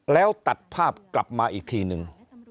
แล้วตัดภาพกลับมาอีกทีนึง